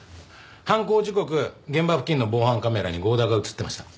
犯行時刻現場付近の防犯カメラに剛田が映ってました。